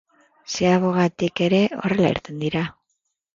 Ziabogatik ere horrela irten dira.